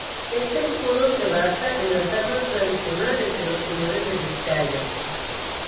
Este escudo se basa en las armas tradicionales de los Señores de Vizcaya.